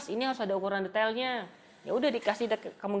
ini juga yang saya ingin kasih tau